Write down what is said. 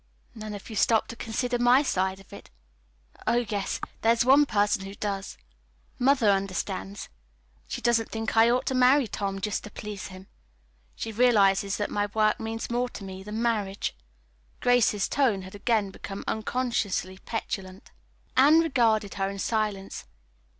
None of you stop to consider my side of it. Oh, yes; there is one person who does. Mother understands. She doesn't think I ought to marry Tom, just to please him. She realizes that my work means more to me than marriage." Grace's tone had again become unconsciously petulant. Anne regarded her in silence.